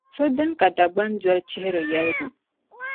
So dini ka Dagbani doli n-chihiri yɛligu